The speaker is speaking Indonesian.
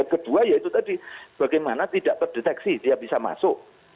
kedua yaitu tadi bagaimana tidak terdeteksi dia bisa masuk